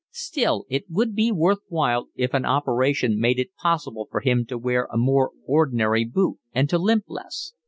Still it would be worth while if an operation made it possible for him to wear a more ordinary boot and to limp less.